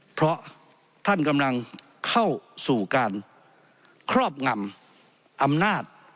เพราะท่านกำลังเข้าสู่การครอบงำอำนาจ